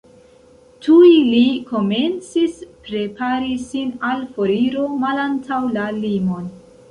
Tuj li komencis prepari sin al foriro malantaŭ la limon.